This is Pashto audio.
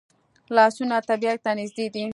لاسونه طبیعت ته نږدې دي